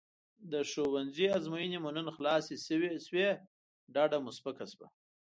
د ښوونځي ازموینې مو نن خلاصې شوې ډډه مې سپکه شوه.